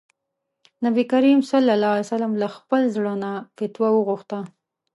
نبي کريم ص له خپل زړه نه فتوا وغوښته.